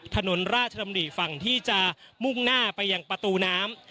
ถนนราชดำริฝั่งที่จะมุ่งหน้าไปยังประตูน้ำ